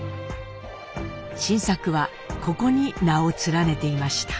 新作はここに名を連ねていました。